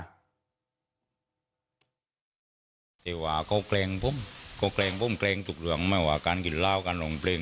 เข้าไปขี้ราวก็กังแกงผมกังแกงถูกเรื่องไม่ว่าการกินราวการลองเพลง